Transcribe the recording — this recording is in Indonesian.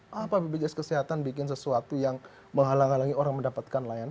bapak ibu jenis kesehatan bikin sesuatu yang menghalangi orang mendapatkan layanan